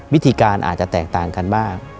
วิธีการอาจจะแตกต่างกันมาก